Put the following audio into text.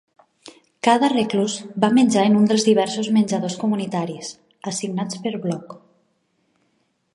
Cada reclús va menjar en un dels diversos menjadors comunitaris, assignat per bloc.